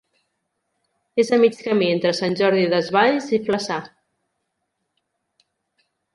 És a mig camí entre Sant Jordi Desvalls i Flaçà.